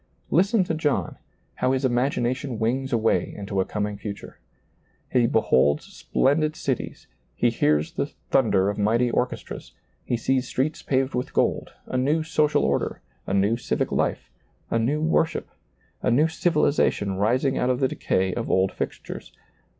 Listeri to John, how his ima^nation wings away into a coming future. He beholds splen ^oiizccb, Google 174 SEEING DARKLY did cities, he hears the thunder of mighty or chestras, he sees streets paved with gold, a oew social order, a new civic life, a new worship, a new civilization rising out of the decay of old fixtures.